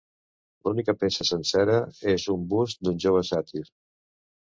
L'única peça sencera és un bust d'un jove sàtir.